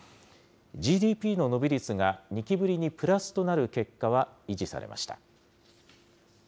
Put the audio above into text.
ＧＤＰの伸び率が２期ぶりにプラスとなる結果は維持されました。